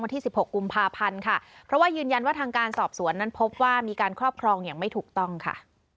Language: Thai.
ที่๑๖กุมภาพันธ์ค่ะเพราะว่ายืนยันว่าทางการสอบสวนนั้นพบว่ามีการครอบครองอย่างไม่ถูกต้องค่ะ